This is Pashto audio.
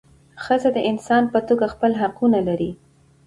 ښځه د انسان په توګه خپل حقونه لري.